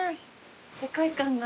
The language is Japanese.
世界観が。